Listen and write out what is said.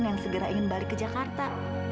yang segera ingin balik ke jakarta